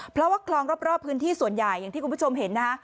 เพราะว่าคลองรอบพื้นที่ส่วนใหญ่อย่างที่คุณผู้ชมเห็นนะฮะ